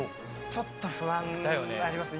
ちょっと不安になりますね。